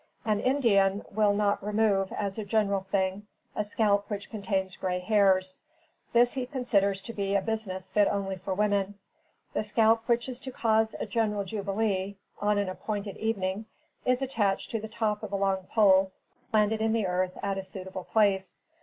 An Indian will not remove, as a general thing, a scalp which contains grey hairs. This he considers to be a business fit only for women. The scalp which is to cause a general jubilee, on an appointed evening, is attached to the top of a long pole, planted in the earth at a suitable place.